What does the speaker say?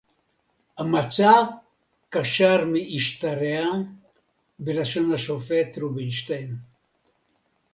"המצע קצר מהשתרע", בלשון השופט רובינשטיין"